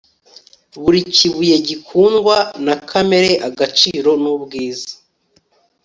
Buri kibuye gikundwa na kamere agaciro nubwiza